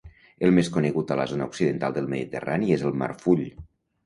El més conegut a la zona occidental del mediterrani és el marfull.